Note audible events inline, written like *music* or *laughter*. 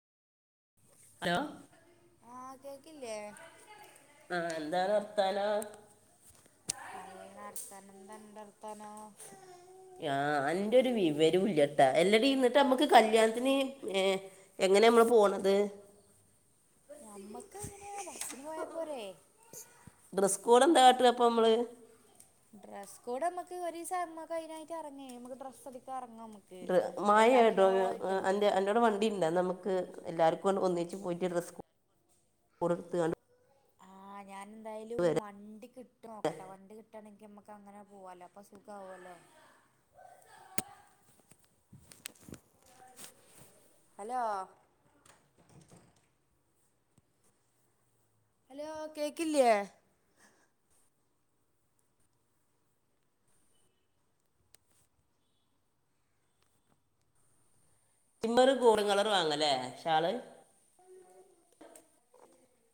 hello ആഹ് കേക്കില്ലേ ആഹ് എന്താണ് വർത്താനം നല്ല ർത്താനം എന്താന്റർത്താനം *inaudible* ആഹ് അന്റെരു വിവരുല്ല്യട്ടാ എല്ലടി ന്ന്ട്ട് നമ്മക്ക് കല്യാണത്തിന് ഏ എങ്ങനെ നമ്മള് പോണത് ഞമ്മക്കെങ്ങനെ യാബസ്സിന് പോയപ്പോരേ ഡ്രസ്സ്കോഡ് എന്താകാട്ട അപ്പം നമ്മള് ഡ്രസ്സ്കോഡ് നമക്ക് ഒരിസ മ്മകയിനായിട്ടെ അറ്ങ്ങേ നമ്മക്ക് ഡ്രസ്സടിക്കാ റ്ങ്ങാ നമ്മക്ക് ഡ്ര മയെടോ എല്ലാത്തിനുമായിട്ട് അൻ ന്റോടെ വണ്ടിണ്ട നമ്മക്ക് എല്ലാർക്കും ഒ ഒന്നിച്ച് പോയിട്ട് ഡ്രസ്സ്‌ കൊട്ത്ത് കാണ്ട് ആഹ് ഞാൻ എന്തായാലും വണ്ടി കിട്ടും നോക്കട്ടെ വണ്ടി കി കിട്ടണെങ്കി നമുക്ക് അങ്ങനെ പോവാല്ല അപ്പാ സുഖ ആവോല്ലോ ഹലോ ഹലോ കേക്കില്ലേ മ്മറ് കൂറും കളറ് വാങ്ങല്ലേ ഷാള്